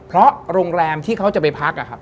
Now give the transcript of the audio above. เพราะโรงแรมที่เขาจะไปพัก